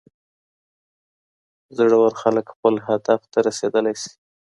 زړور خلګ خپل هدف ته رسیدلی سي.